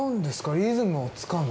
リズムをつかむ。